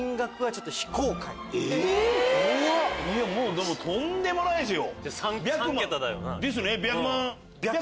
でもとんでもないですよ！